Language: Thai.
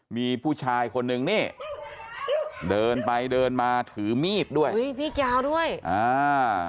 มีผู้ชายคนนึงนี่เดินไปเดินมาถือมีดด้วยอุ้ยมีดยาวด้วยอ่า